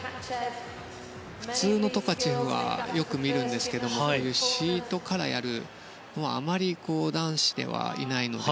普通のトカチェフはよく見るんですけれどもシートからやるのはあまり男子ではいないので。